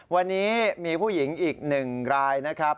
วันนี้มีผู้หญิงอีกหนึ่งรายนะครับ